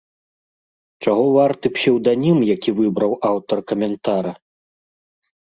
Чаго варты псеўданім, які выбраў аўтар каментара!